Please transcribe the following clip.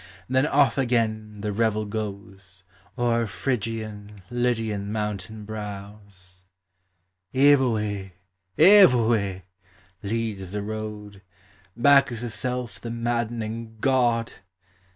Then off again the revel goes O'er Phrygian, Lydian mountain brows j Evoe! Evoe! leads the road, Bacchus's self the maddening god!